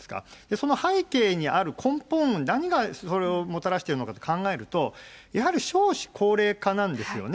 その背景にある根本、何がそれをもたらしてるのかと考えると、やはり少子高齢化なんですよね。